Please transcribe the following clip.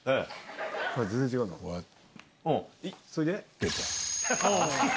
それで？